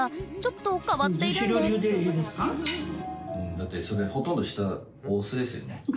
だってそれほとんど下お酢ですよね。